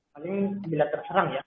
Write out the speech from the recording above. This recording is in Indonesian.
paling bila terserang ya